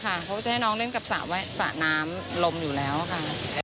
เพราะว่าจะให้น้องเล่นกับสระน้ำลมอยู่แล้วค่ะ